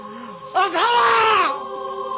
浅輪！